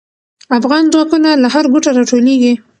افغان ځواکونه له هر ګوټه راټولېږي.